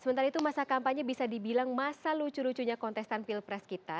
sementara itu masa kampanye bisa dibilang masa lucu lucunya kontestan pilpres kita